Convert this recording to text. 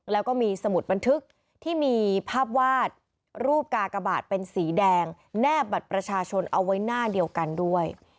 แล้วก็มีสมุดบันทึกที่มีภาพวาดรูปกากบาทเป็นสีแดงแนบบัตรประชาชนเอาไว้หน้าเดียวกันด้วย